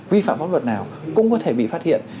vi phạm pháp luật nào cũng có thể bị phát hiện